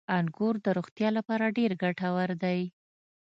• انګور د روغتیا لپاره ډېر ګټور دي.